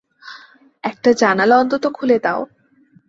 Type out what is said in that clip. একটা জানালা অন্তত খুলে দাও।